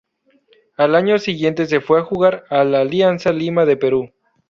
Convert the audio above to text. Al año siguiente se fue a jugar al Alianza Lima de Perú.